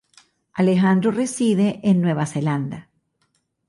Alejandro reside en Nueva Zelanda.